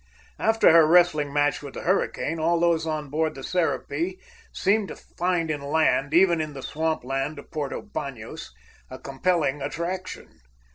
After her wrestling match with the hurricane, all those on board the Serapis seemed to find in land, even in the swamp land of Porto Banos, a compelling attraction.